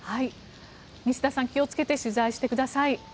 西田さん、気をつけて取材をしてください。